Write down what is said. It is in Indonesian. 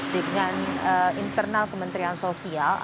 dengan internal kementerian sosial